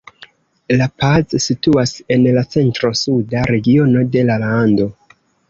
La Paz situas en la centro-suda regiono de la lando.